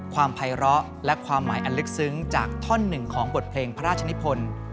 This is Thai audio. ความภัยร้อและความหมายอันลึกซึ้งจากท่อนหนึ่งของบทเพลงพระราชนิพล